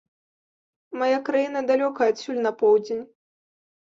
Мая краіна далёка адсюль на поўдзень.